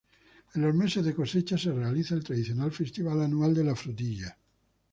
En los meses de cosecha, se realiza el tradicional Festival anual de la frutilla.